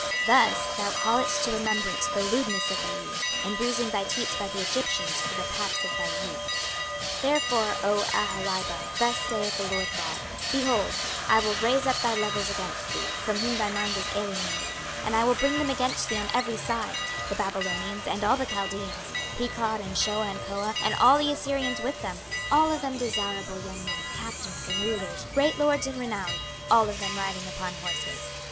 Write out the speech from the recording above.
26:023:021 Thus thou calledst to remembrance the lewdness of thy youth, in bruising thy teats by the Egyptians for the paps of thy youth. 26:023:022 Therefore, O Aholibah, thus saith the Lord GOD; Behold, I will raise up thy lovers against thee, from whom thy mind is alienated, and I will bring them against thee on every side; 26:023:023 The Babylonians, and all the Chaldeans, Pekod, and Shoa, and Koa, and all the Assyrians with them: all of them desirable young men, captains and rulers, great lords and renowned, all of them riding upon horses.